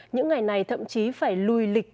những ngày này thậm chí phải lùi lịch